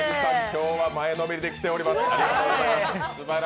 今日は前のめりで来ております。